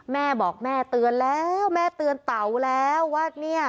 แม่บอกแม่เตือนแล้วแม่เตือนเต๋าแล้วว่าเนี่ย